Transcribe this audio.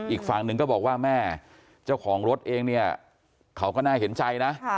อีกฝั่งหนึ่งก็บอกว่าแม่เจ้าของรถเองเนี่ยเขาก็น่าเห็นใจนะ